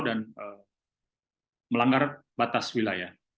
dan melanggar batas wilayah